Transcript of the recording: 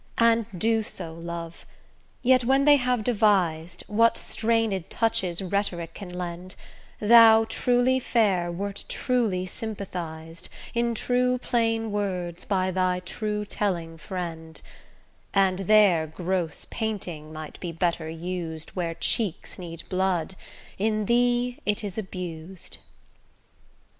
And do so, love; yet when they have devis'd, What strained touches rhetoric can lend, Thou truly fair, wert truly sympathiz'd In true plain words, by thy true telling friend; And their gross painting might be better us'd Where cheeks need blood; in thee it is abus'd.